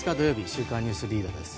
「週刊ニュースリーダー」です。